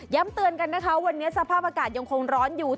เตือนกันนะคะวันนี้สภาพอากาศยังคงร้อนอยู่